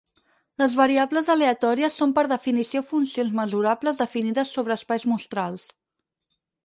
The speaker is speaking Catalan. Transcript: Les variables aleatòries són per definició funcions mesurables definides sobre espais mostrals.